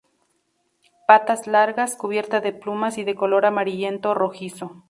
Patas largas, cubierta de plumas y de color amarillento rojizo.